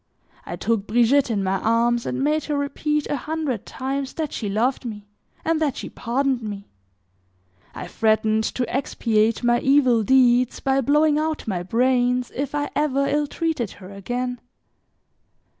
I took Brigitte in my arms, and made her repeat a hundred times that she loved me, and that she pardoned me. I threatened to expiate my evil deeds by blowing out my brains, if I ever ill treated her again.